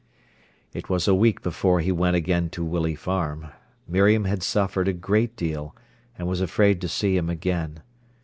It was a week before he went again to Willey Farm. Miriam had suffered a great deal, and was afraid to see him again.